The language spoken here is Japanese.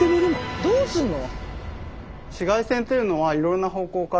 どうすんの？